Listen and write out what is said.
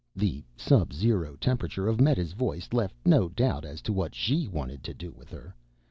The sub zero temperature of Meta's voice left no doubt as to what she wanted to do with her.